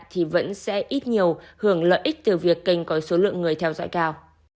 thì vẫn sẽ ít nhiều hưởng lợi ích từ việc kênh có số lượng người theo dõi cao